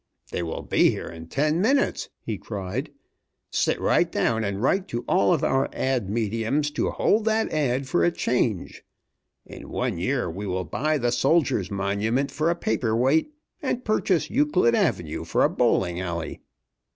"They will be here in ten minutes!" he cried. "Sit right down and write to all of our ad. mediums to hold that ad. for a change. In one year we will buy the soldiers' monument for a paper weight, and purchase Euclid Avenue for a bowling alley!